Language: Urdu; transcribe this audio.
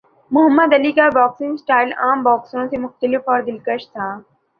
محمد علی کا باکسنگ سٹائل عام باکسروں سے مختلف اور دلکش تھا